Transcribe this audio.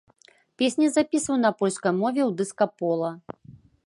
Песні запісваў на польскай мове ў дыска-пола.